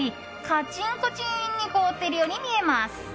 カチンコチンに凍っているように見えます。